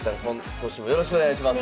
今年もよろしくお願いします。